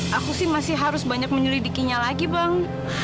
aku sih masih harus banyak menyelidikinya lagi bang